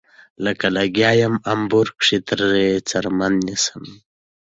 لکه لګيا يمه امبور کښې ترې څرمنه نيسم